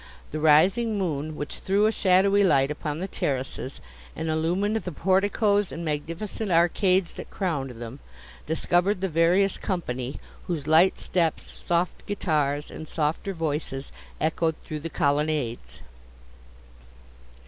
The rising moon, which threw a shadowy light upon the terraces, and illumined the porticos and magnificent arcades that crowned them, discovered the various company, whose light steps, soft guitars, and softer voices, echoed through the colonnades.